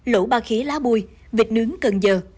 lỗ ba khía lá bùi vịt nướng cần giờ